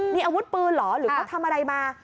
นี่อาวุธปืนเหรอหรือเขาทำอะไรมา